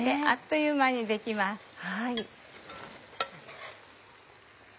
あっという間にできます。